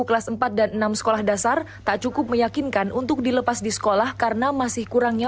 kelas empat dan enam sekolah dasar tak cukup meyakinkan untuk dilepas di sekolah karena masih kurangnya